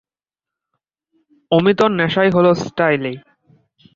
অমিতর নেশাই হল স্টাইলে।